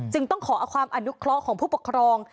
จึงต้องขออภาพออนุเคราะห์ของผู้ปกครอง